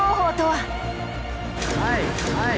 はい！